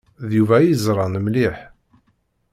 D Yuba i yeẓṛan mliḥ.